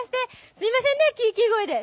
すいませんねキンキン声で。